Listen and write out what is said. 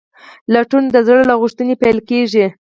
لټون د زړه له غوښتنې پیل کېږي.